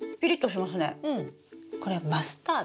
これマスタード。